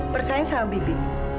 bersaing sama bibi